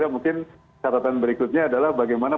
mungkin catatan berikutnya adalah bagaimana